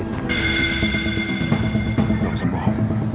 tidak usah bahu